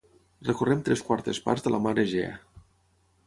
Recorrem tres quartes parts de la mar Egea.